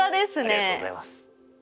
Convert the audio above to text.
ありがとうございます。